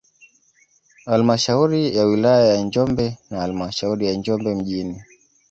Halmashauri ya wilaya ya Njombe na halmashauri ya Njombe mjini